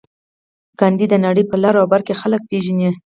ګاندي د نړۍ په لر او بر کې خلک پېژني.